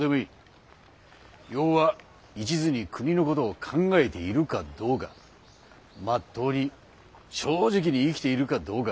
要は一途に国のことを考えているかどうかまっとうに正直に生きているかどうか。